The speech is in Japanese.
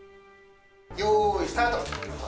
よいスタート。